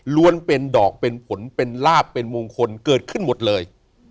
เป็นดอกเป็นผลเป็นลาบเป็นมงคลเกิดขึ้นหมดเลย